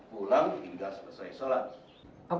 pulang hingga selesai sholat